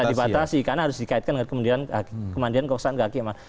bisa dibatasi karena harus dikaitkan dengan kemandiran koksalan kehakiman